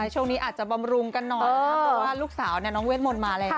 ช่วงนี้อาจจะบำรุงกันหน่อยนะครับเพราะว่าลูกสาวน้องเวทมนต์มาแล้ว